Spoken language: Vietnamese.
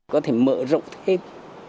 có thể mở rộng thêm